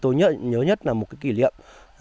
tôi nhớ nhất là một kỷ niệm